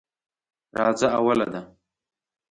راځه اوله ده.